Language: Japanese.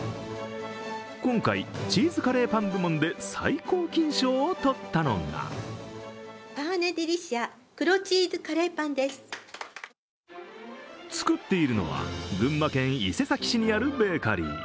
今回、チーズカレーパン部門で最高金賞を取ったのが作っているのは群馬県伊勢崎市にあるベーカリー。